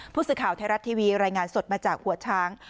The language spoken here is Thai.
ผู้สื่อข่าวไทยรัฐทีวีรายงานสดมาจากหัวช้าง